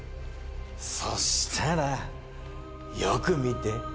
そうしたらよく見て。